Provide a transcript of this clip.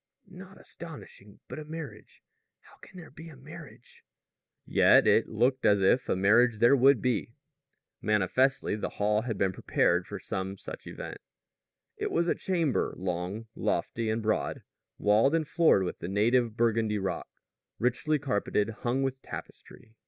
"Not astonishing. But a marriage! How can there be a marriage?" Yet it looked as if a marriage there would be. Manifestly, the hall had been prepared for some such event. It was a chamber long, lofty and broad, walled and floored with the native Burgundy rock, richly carpeted, hung with tapestry.